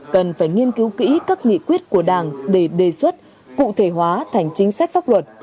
cần phải nghiên cứu kỹ các nghị quyết của đảng để đề xuất cụ thể hóa thành chính sách pháp luật